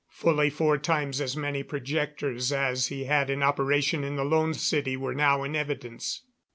Fully four times as many projectors as he had in operation in the Lone City were now in evidence.